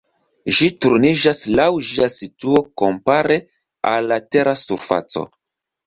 Ĝi turniĝas laŭ ĝia situo kompare al la Tera surfaco.